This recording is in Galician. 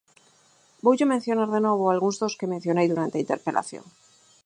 Voulle mencionar de novo algúns dos que mencionei durante a interpelación.